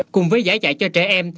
cùng với giải chạy cho trẻ em